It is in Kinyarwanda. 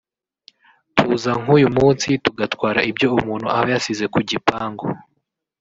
tuza nk’uyu munsi tugatwara ibyo umuntu aba yasize ku gipangu